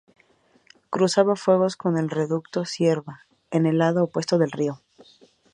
Cruzaba fuegos con el Reducto Cierva, en el lado opuesto del río.